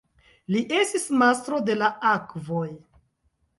Li estis "Mastro de la akvoj".